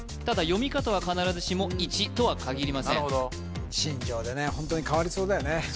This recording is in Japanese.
ただ読み方は必ずしも「いち」とは限りません新庄でねホントに変わりそうだよね